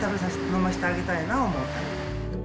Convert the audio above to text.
飲ませてあげたいなと思って。